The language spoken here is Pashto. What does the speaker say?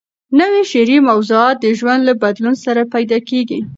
نوي شعري موضوعات د ژوند له بدلون سره پیدا کېږي.